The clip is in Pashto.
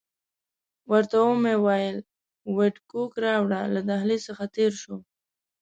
ورته ومې ویل وډکوک راوړه، له دهلیز څخه تېر شوو.